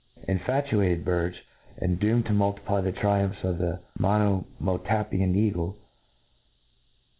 *« Infatuated birdfe, and doomed to muhiply the triumphs of the Monomotapian eagle